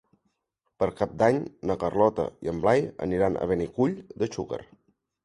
Per Cap d'Any na Carlota i en Blai aniran a Benicull de Xúquer.